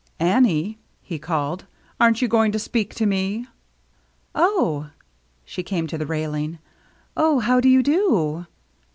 "Annie," he called, "aren't you going to speak to me?" "Oh," — she came to the railing, — "oh, how do you do